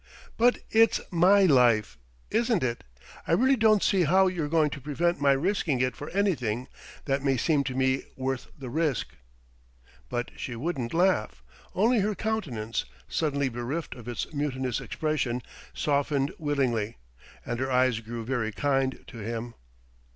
"But it's my life, isn't it? I really don't see how you're going to prevent my risking it for anything that may seem to me worth the risk!" But she wouldn't laugh; only her countenance, suddenly bereft of its mutinous expression, softened winningly and her eyes grew very kind to him.